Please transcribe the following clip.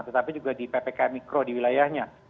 tetapi juga di ppkm mikro di wilayahnya